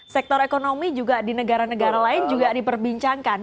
sektor ekonomi juga di negara negara lain juga diperbincangkan